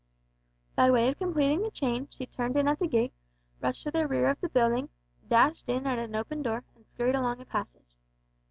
By way of completing the chain, she turned in at the gate, rushed to the rear of the building, dashed in at an open door, and scurried along a passage.